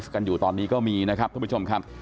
กันอยู่ตอนนี้ก็มีนะครับท่านผู้ชมครับ